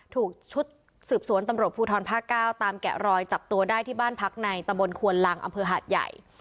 ถูกชุดสืบสวนตำรวจภูทรภาค๙ตามแกะรอยจับตัวได้ที่บ้านพักในตะบนควนลังอำเภอหาดใหญ่